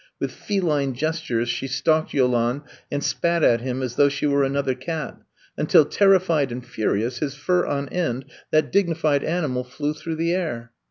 With feline gestures, she stalked Yolande and spat at him as though she were another cat, until terrified and furious, his fur on end, that dignified animal flew through the air.